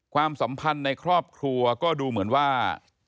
ความสัมพันธ์ในครอบครัวก็ดูเหมือนว่า